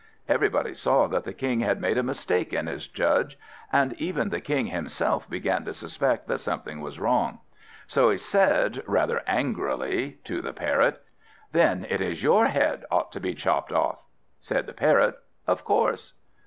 Everybody saw that the King had made a mistake in his Judge, and even the King himself began to suspect that something was wrong. So he said, rather angrily, to the Parrot "Then it is your head ought to be chopped off." Said the Parrot, "Of course."